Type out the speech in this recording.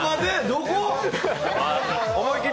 どこ？